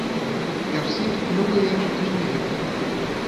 Eu sinto que não ganhei muito dinheiro.